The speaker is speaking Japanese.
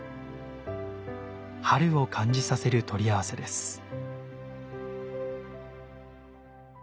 春を感じさせる取り合わせです。